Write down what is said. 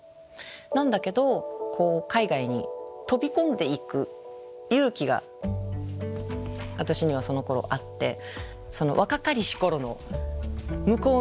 なんだけど海外に飛び込んでいく勇気が私にはそのころあってその若かりし頃の向こう見ずな勇気って言うんですか。